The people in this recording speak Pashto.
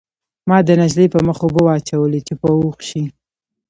ما د نجلۍ په مخ اوبه واچولې چې په هوښ شي